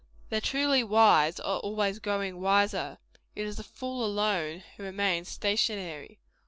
The truly wise, are always growing wiser; it is the fool alone who remains stationary.